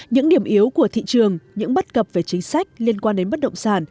những điểm yếu của thị trường những bất cập về chính sách liên quan đến bất động sản